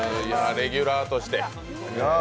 レギュラーとして。